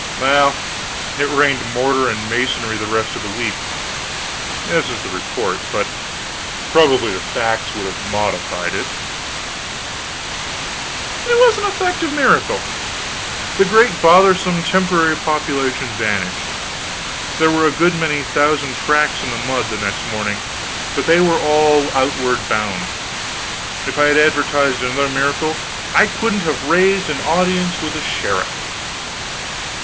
Well, it rained mortar and masonry the rest of the week. This was the report; but probably the facts would have modified it. It was an effective miracle. The great bothersome temporary population vanished. There were a good many thousand tracks in the mud the next morning, but they were all outward bound. If I had advertised another miracle I couldn't have raised an audience with a sheriff.